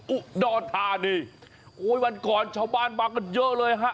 อุดรธานีโอ้ยวันก่อนชาวบ้านมากันเยอะเลยฮะ